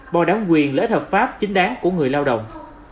bỏ đáng quyền lễ thập pháp chính đáng của người lao động